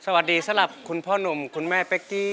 สวัสดีสำหรับคุณพ่อหนุ่มคุณแม่เป๊กกี้